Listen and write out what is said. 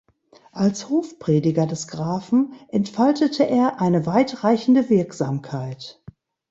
Als Hofprediger des Grafen entfaltete er eine weitreichende Wirksamkeit.